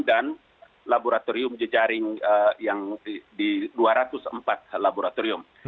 dan laboratorium jejaring yang di dua ratus empat laboratorium